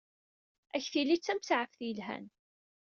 Ad ak-tili d tamsaɛeft yelhan.